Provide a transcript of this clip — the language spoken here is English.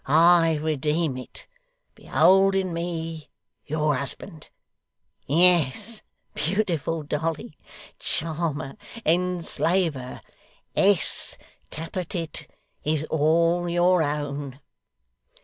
I redeem it. Behold in me, your husband. Yes, beautiful Dolly charmer enslaver S. Tappertit is all your own!